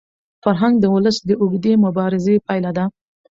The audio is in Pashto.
فرهنګ د ولس د اوږدې مبارزې پایله ده.